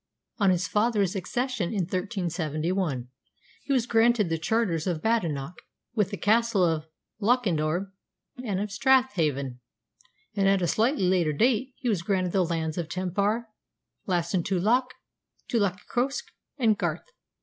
On his father's accession in 1371, he was granted the charters of Badenoch, with the Castle of Lochindorb and of Strathavon; and at a slightly later date he was granted the lands of Tempar, Lassintulach, Tulachcroske, and Gort (Garth).